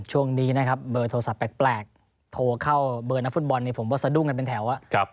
ช่วงนี้นะครับเบอร์โทรศัพท์แปลกโทรเข้าเบอร์นักฟุตบอลเนี่ยผมว่าสะดุ้งกันเป็นแถว